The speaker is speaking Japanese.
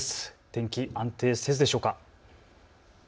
天気、安定するでしょうか。